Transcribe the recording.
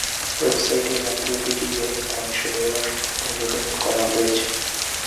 ওয়েবসাইটের মাধ্যমে বিডিংয়ে অংশ নেওয়ার অনুরোধ করা হয়েছে।